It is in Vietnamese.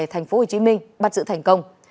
tp hcm bắt sự thành công